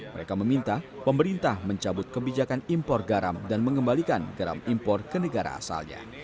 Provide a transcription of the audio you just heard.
mereka meminta pemerintah mencabut kebijakan impor garam dan mengembalikan garam impor ke negara asalnya